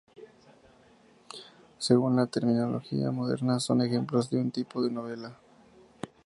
Según la terminología moderna son ejemplos de un tipo de 'novela'.